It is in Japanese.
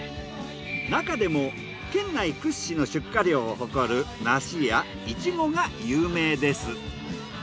なかでも県内屈指の出荷量を誇る梨やいちごが有名です。